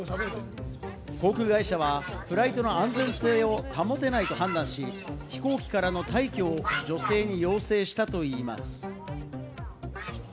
航空会社はフライトの安全性を保てないと判断し、飛行機からの退去を女性に要請したといいます。